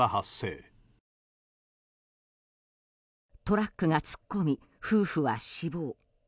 トラックが突っ込み夫婦は死亡。